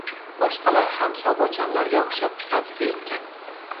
Boshqalar ham Sobirjonlarga oʻxshab sabzi ekkan.